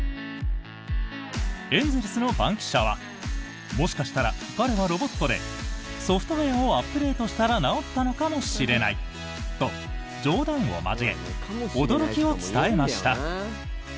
エンゼルスの番記者はもしかしたら、彼はロボットでソフトウェアをアップデートしたら治ったのかもしれないと冗談を交え、驚きを伝えました。